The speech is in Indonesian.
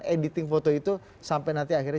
editing foto itu sampai nanti akhirnya